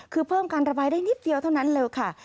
คือเพิ่มการระบายได้นิดเดียวเท่านั้นเลยค่ะ